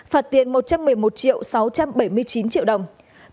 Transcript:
phạt tiền một trăm một mươi một sáu trăm bảy mươi chín triệu đồng